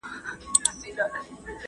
دا خبره تر هغې بلي خبري ډېره مهمه ده.